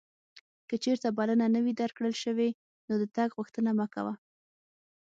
که چیرته بلنه نه وې درکړل شوې نو د تګ غوښتنه مه کوه.